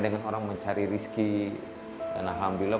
dengan orang mencari rizki dan alhamdulillah